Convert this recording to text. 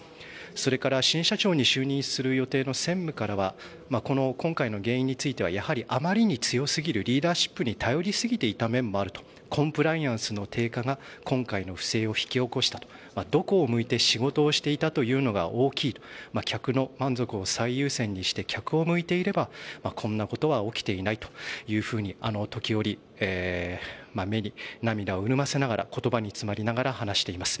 それから新社長に就任する予定の専務からは今回の原因についてはあまりに強すぎるリーダーシップに頼りすぎていた面もあるとコンプライアンスの低下が今回の不正を引き起こしたとどこを向いて仕事をしていたというのが大きいと客の満足を最優先にして客を向いていればこんなことは起きていないというふうに時折、目に涙を潤ませながら言葉に詰まりながら話してます。